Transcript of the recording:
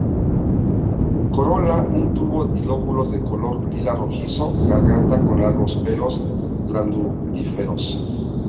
Corola con tubo y lóbulos de color lila rojizo, garganta con largos pelos glandulíferos.